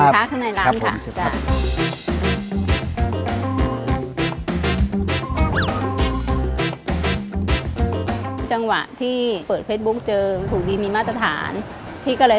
เป็นค้าข้างในร้านค่ะ